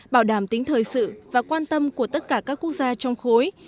bảo đảm tính thời sự và quan tâm của tất cả các quốc gia trong khối